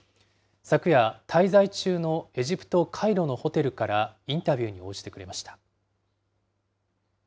昨夜、滞在中のエジプト・カイロのホテルからインタビューに応じてくれました。